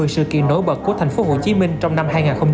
một mươi sự kiện nối bật của tp hcm trong năm hai nghìn hai mươi một